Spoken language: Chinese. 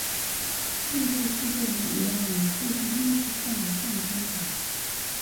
艺术世界也越来越注重艺术上的象征法。